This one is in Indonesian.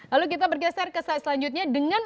lalu kita bergeser ke slide selanjutnya dengan